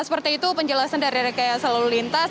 seperti itu penjelasan dari rekaya selalu lintas